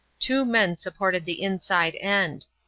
Two men supported the inside end.